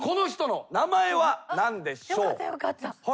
よかったよかった。